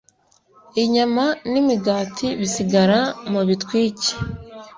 inyama n imigati bisigara mubitwike